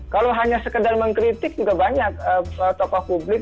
kalau hanya sekedar mengkritik juga banyak tokoh publik